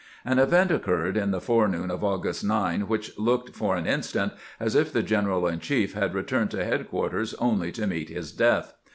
An event occurred in the forenoon of August 9 which looked for an instant as if the general in chief had re turned to headquarters only to meet his death.